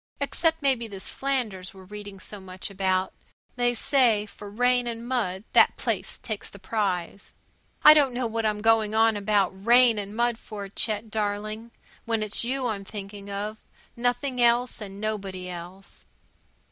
Except maybe this Flanders we're reading so much about. They say for rain and mud that place takes the prize. I don't know what I'm going on about rain and mud for, Chet darling, when it's you I'm thinking of. Nothing else and nobody else.